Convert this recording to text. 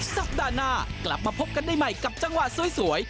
สัปดาห์หน้ากลับมาพบกันได้ใหม่กับจังหวะสวย